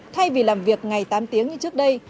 thay vì làm việc ngày tám tiếng như trước đây